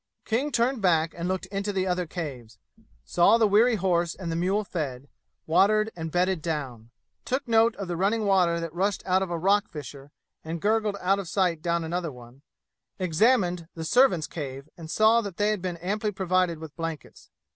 King turned back and looked into the other caves saw the weary horse and mule fed, watered and bedded down took note of the running water that rushed out of a rock fissure and gurgled out of sight down another one examined the servants' cave and saw that they had been amply provided with blankets.